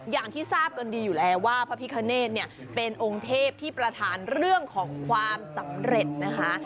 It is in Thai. อย่างที่ทราบกันดีอยู่แล้วว่าพระพิคเนธเนี่ยเป็นองค์เทพที่ประธานเรื่องของความสำเร็จนะคะ